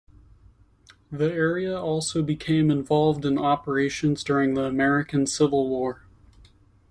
The area also became involved in operations during the American Civil War.